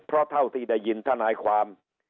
เพราะเท่าที่ได้ยินทนายความ